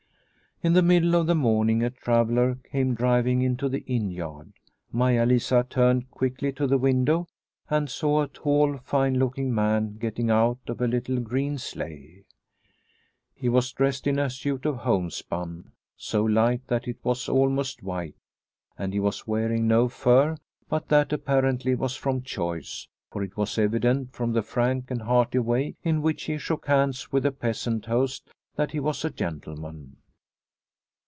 In the middle of the morning a traveller came driving into the inn yard. Maia Lisa turned quickly to the window and saw a tall, fine looking man getting out of a little green sleigh. He was dressed in a suit of homespun so light that it was almost white, and he was wearing no fur, but that apparently was from choice, for it was evident from the frank and hearty way in which he shook hands with the peasant host that he was a gentleman.